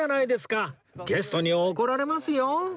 ゲストに怒られますよ